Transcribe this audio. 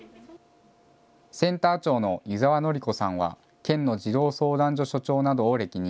センター長の湯澤典子さんは県の児童相談所所長などを歴任。